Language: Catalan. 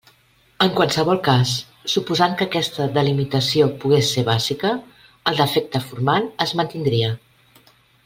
En qualsevol cas, suposant que aquesta delimitació pogués ser bàsica, el defecte formal es mantindria.